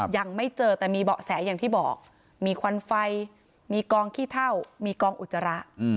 ยังไม่เจอแต่มีเบาะแสอย่างที่บอกมีควันไฟมีกองขี้เท่ามีกองอุจจาระ